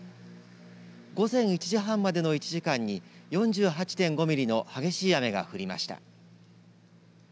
午前１時半までの１時間に４８．５ミリの激しい雨が降りました。